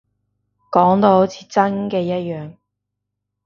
講到好似真嘅一樣